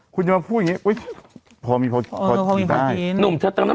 คุณจะมาพูดอย่างเงี้ยพอมีพอมีพอที่ได้น้อมเธอใต้